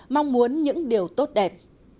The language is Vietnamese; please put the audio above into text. mong muốn những điều tốt đẹp